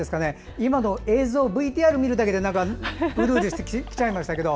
今の映像ＶＴＲ見るだけでうるうるしてきちゃいましたけど。